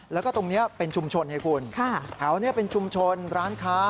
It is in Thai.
แล้วก็ตรงนี้เป็นชุมชนไงคุณแถวนี้เป็นชุมชนร้านค้า